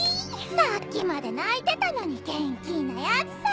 さっきまで泣いてたのに現金なやつさ。